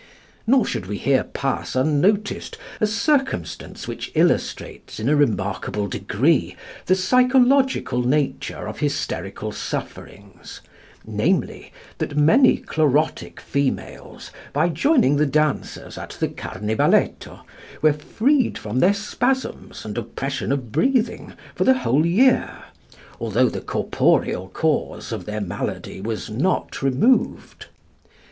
Nor should we here pass unnoticed a circumstance which illustrates, in a remarkable degree, the psychological nature of hysterical sufferings, namely, that many chlorotic females, by joining the dancers at the Carnevaletto, were freed from their spasms and oppression of breathing for the whole year, although the corporeal cause of their malady was not removed.